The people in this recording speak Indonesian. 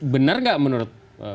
benar gak menurut